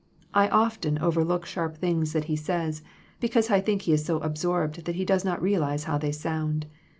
I often overlook sharp things that he says, because I think he is so absorbed that he does not realize how they sound.